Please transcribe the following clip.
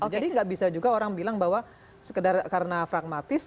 jadi tidak bisa juga orang bilang bahwa sekedar karena pragmatis